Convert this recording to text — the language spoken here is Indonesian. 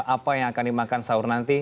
apa yang akan dimakan sahur nanti